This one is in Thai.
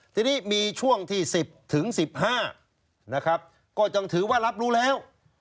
ทีนี้มีช่วงที่๑๐ถึง๑๕นะครับก็ยังถือว่ารับรู้แล้ว